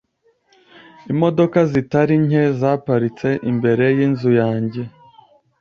Imodoka zitari nke ziparitse imbere yinzu yanjye .